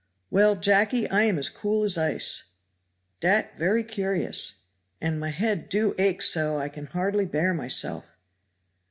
Well, Jacky, I am as cool as ice." "Dat very curious." "And my head do ache so I can hardly bear myself."